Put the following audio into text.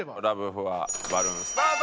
ふわバルーンスタート！